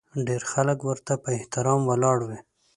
ډېر خلک ورته په احترام ولاړ وي.